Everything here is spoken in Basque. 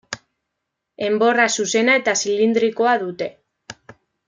Enborra zuzena eta zilindrikoa dute.